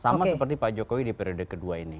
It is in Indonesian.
sama seperti pak jokowi di periode kedua ini